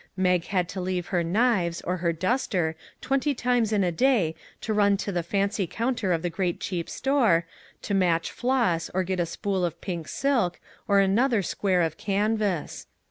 Mag had to leave her knives, or her duster, twenty times in a day to run to the fancy counter of the great cheap store, to match " floss," or get a spool of pink silk, or another square of canvas.